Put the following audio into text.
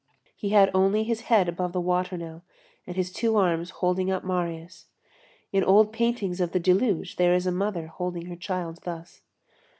He had only his head above the water now and his two arms holding up Marius. In the old paintings of the deluge there is a mother holding her child thus.